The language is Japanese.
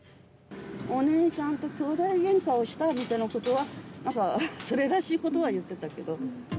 お姉さんときょうだいげんかをしたみたいなことはなんか、それらしいことは言ってたけど。